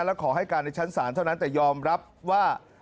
และขอให้การในชั้นศาลเท่านั้นแต่ยอมรับว่า